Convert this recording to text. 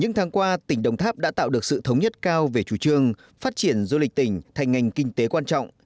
những tháng qua tỉnh đồng tháp đã tạo được sự thống nhất cao về chủ trương phát triển du lịch tỉnh thành ngành kinh tế quan trọng